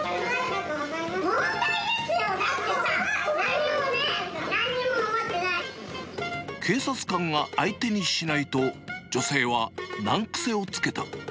問題ですよ、だってさ、警察官が相手にしないと、女性は難癖をつけた。